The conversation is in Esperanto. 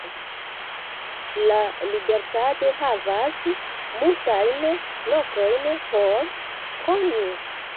La Libertad havas multajn lokojn por koni.